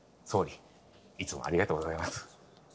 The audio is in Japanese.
総理いつもありがとうございます。